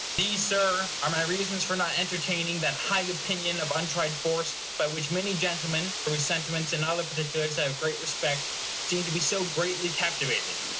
These, Sir, are my reasons for not entertaining that high opinion of untried force by which many gentlemen, for whose sentiments in other particulars I have great respect, seem to be so greatly captivated.